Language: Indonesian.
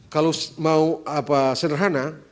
kalau mau sederhana